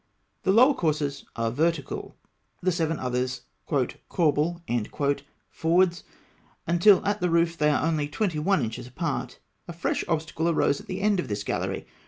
The lower courses are vertical; the seven others "corbel" forwards, until at the roof they are only twenty one inches apart. A fresh obstacle arose at the end of this gallery.